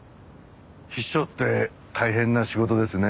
秘書って大変な仕事ですね。